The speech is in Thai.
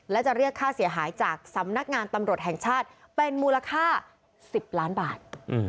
และจะเรียกค่าเสียหายจากสำนักงานตำรวจแห่งชาติเป็นมูลค่า๑๐ล้านบาท